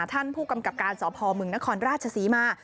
ท่านผู้กำกับการสอบภอมเมืองนครราชสีมา